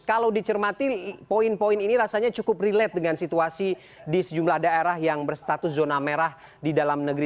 kalau dicermati poin poin ini rasanya cukup relate dengan situasi di sejumlah daerah yang berstatus zona merah di dalam negeri